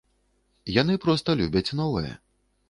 Яны проста любяць новае.